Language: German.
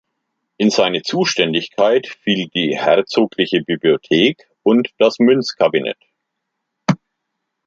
In seine Zuständigkeit fiel die Herzogliche Bibliothek und das Münzkabinett.